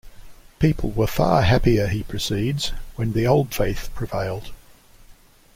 People were far happier, he proceeds, when the 'Old Faith' prevailed.